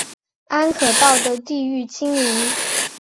安可道的地域经营。